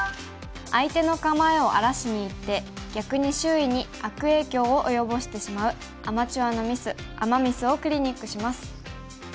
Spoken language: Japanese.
相手の構えを荒らしにいって逆に周囲に悪影響を及ぼしてしまうアマチュアのミスアマ・ミスをクリニックします。